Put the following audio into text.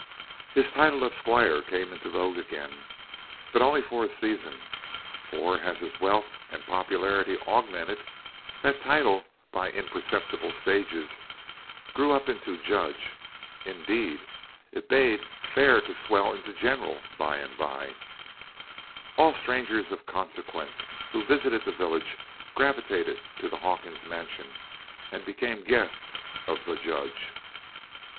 His title of "Squire" came into vogue again, but only for a season; for, as his wealth and popularity augmented, that title, by imperceptible stages, grew up into "Judge;" indeed it bade fair to swell into "General" bye and bye. All strangers of consequence who visited the village gravitated to the Hawkins Mansion and became guests of the "Judge."